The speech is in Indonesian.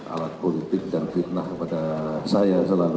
alat politik dan fitnah kepada saya selalu